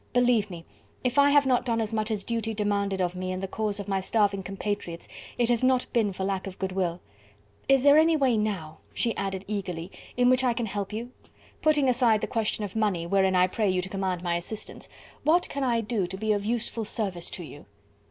Believe me, if I have not done as much as duty demanded of me in the cause of my starving compatriots, it has not been for lack of good will. Is there any way now," she added eagerly, "in which I can help you? Putting aside the question of money, wherein I pray you to command my assistance, what can I do to be of useful service to you?"